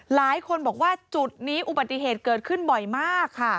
หลายคนบอกว่าจุดนี้อุบัติเหตุเกิดขึ้นบ่อยมากค่ะ